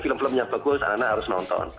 film film yang bagus anak anak harus nonton